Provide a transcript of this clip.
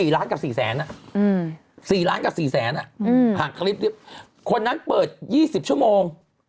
๔ล้านกับ๔แสนฮะ๔ล้านกับ๔แสนคนนั้นเปิด๒๐ชั่วโมง